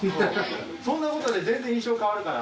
そんなことで全然印象変わるから。